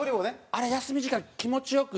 あれ休み時間気持ち良く。